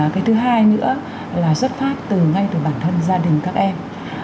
cái thứ hai nữa là xuất phát từ ngay từ bản thân gia đình các em